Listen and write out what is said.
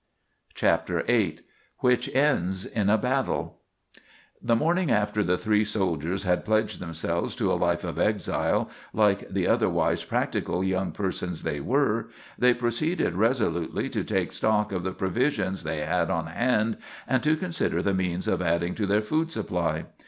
CHAPTER VIII WHICH ENDS IN A BATTLE The morning after the three soldiers had pledged themselves to a life of exile, like the (otherwise) practical young persons they were, they proceeded resolutely to take stock of the provisions they had on hand and to consider the means of adding to their food supply.